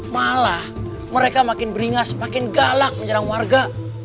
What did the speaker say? malah mereka makin beringas makin galak menyerang warga